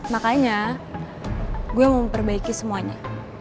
makanya gue memperbaiki semuanya